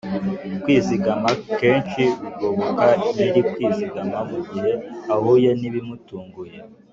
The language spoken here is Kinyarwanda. kwizigama kenshi bigoboka nyiri kwizigama mugihe ahuye nibimutunguye